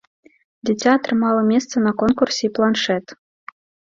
Дзіця атрымала месца на конкурсе і планшэт.